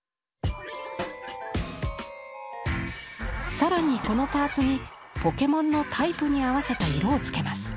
更にこのパーツにポケモンのタイプに合わせた色をつけます。